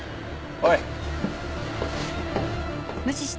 おい